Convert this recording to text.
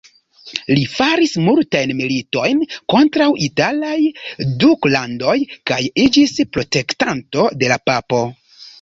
Li faris multajn militojn kontraŭ italaj duklandoj kaj iĝis protektanto de la papo.